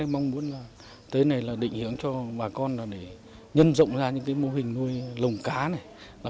mong muốn là tới nay định hướng cho bà con là để nhân rộng ra những mô hình nuôi lồng cá này